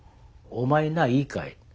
「お前ないいかい？